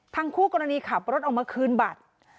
คู่กรณีขับรถออกมาคืนบัตร